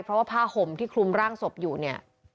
เพราะว่าผ้าห่มที่คลุมร่างศพอยู่เนี่ย